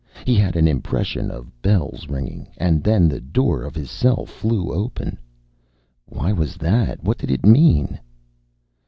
He had an impression of bells ringing. And then the door of his cell flew open. Why was that? What did it mean?